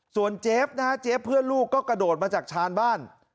ส่วนเจฟนะฮะเจฟเพื่อนลูกก็กระโดดมาจากชานบ้าน